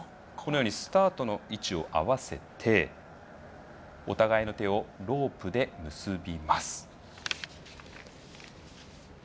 スタートの位置を合わせてお互いの手をロープで結びます。